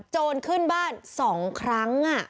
โจรขึ้นบ้าน๒ครั้ง